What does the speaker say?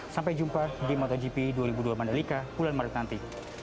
sampai jumpa di motogp dua ribu dua mandalika bulan maret nanti